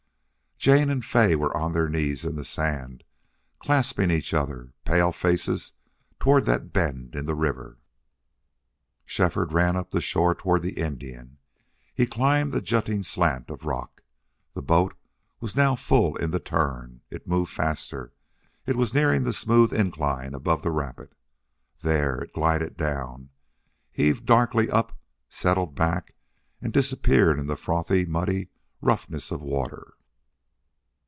Jane and Fay were on their knees in the sand, clasping each other, pale faces toward that bend in the river. Shefford ran up the shore toward the Indian. He climbed the jutting slant of rock. The boat was now full in the turn it moved faster it was nearing the smooth incline above the rapid. There! it glided down heaved darkly up settled back and disappeared in the frothy, muddy roughness of water.